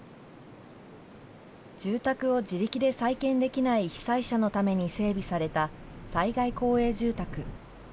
住宅を自力で再建できない被災者のために整備された災害公営住宅。